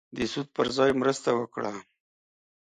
د سود پر ځای مرسته وکړه.